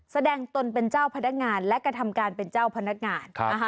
ตนเป็นเจ้าพนักงานและกระทำการเป็นเจ้าพนักงาน